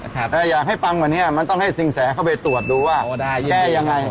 แต่อยากให้ฟังกว่านี้มันต้องให้สินแสเข้าไปตรวจดูว่าแย่ยังไง